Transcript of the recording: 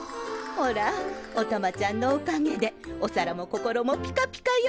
ほらおたまちゃんのおかげでお皿も心もピカピカよ！